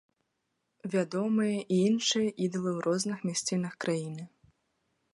Вядомыя і іншыя ідалы ў розных мясцінах краіны.